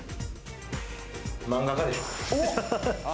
漫画家でしょ。